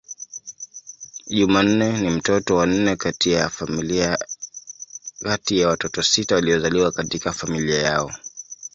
Jumanne ni mtoto wa nne kati ya watoto sita waliozaliwa katika familia yao.